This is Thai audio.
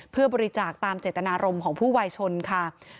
เพื่อบริจาคตามเจตนารมณ์ของผู้วายชนค่ะ